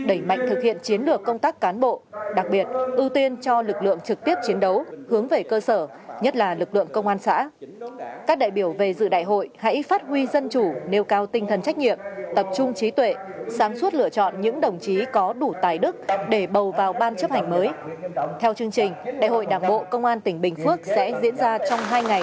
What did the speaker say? ubnd tỉnh chỉ đạo công tác đảm bảo an ninh trật tự phối kết hợp với các sở ngành các tình huống phức tạp về an ninh trật tự không để bị động bất ngờ